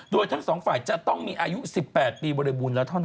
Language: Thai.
โดยทั้งสองฝ่ายจะต้องมีอายุ๑๘ปีบริบูรณ์แล้วเท่านั้น